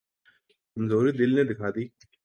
کمزوری دل نے دکھا دی۔